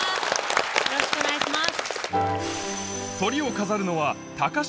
よろしくお願いします。